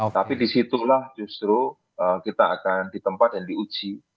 tapi disitulah justru kita akan ditempat dan diuji